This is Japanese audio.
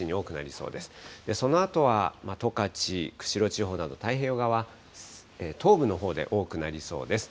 そのあとは十勝、釧路地方など太平洋側、東部のほうで多くなりそうです。